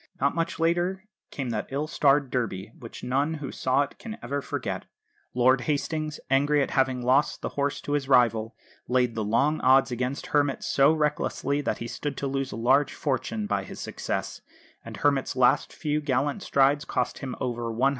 Not much later came that ill starred Derby, which none who saw it can ever forget. Lord Hastings, angry at having lost the horse to his rival, laid the long odds against Hermit so recklessly that he stood to lose a large fortune by his success; and Hermit's last few gallant strides cost him over £100,000.